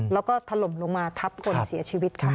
แล้วก็ถล่มลงมาทับคนเสียชีวิตค่ะ